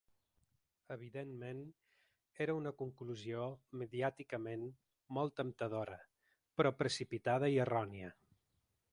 Evidentment, era una conclusió mediàticament molt temptadora, però precipitada i errònia.